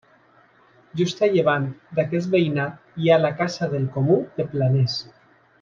Just a llevant d'aquest veïnat hi ha la Casa del Comú de Planès.